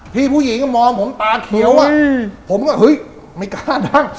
พี่ผู้หญิงก็มองผมตาเขียวอ่ะผมก็เฮ้ยไม่กล้านั่ง